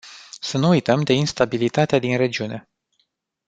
Să nu uităm de instabilitatea din regiune.